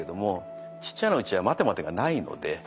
ちっちゃなうちは「待て待て」がないので。